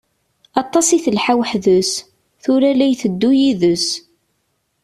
Aṭas i telḥa weḥd-s, tura la iteddu yid-s.